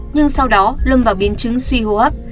nhưng sau đó lâm vào biến chứng suy hô hấp